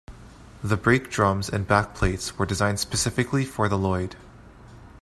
The brake drums and back plates were designed specifically for the Loyd.